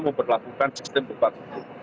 mau berlakukan sistem bebas itu